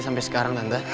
sampai sekarang tante